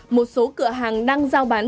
một số cửa hàng đang giao bán